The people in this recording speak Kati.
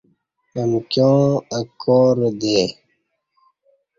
امکیوں اہ کوردے